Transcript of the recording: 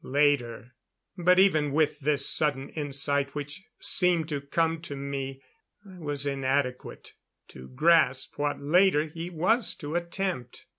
Later ... But even with this sudden insight which seemed to come to me, I was inadequate to grasp what later he was to attempt.